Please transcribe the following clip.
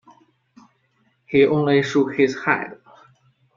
He only shook his head.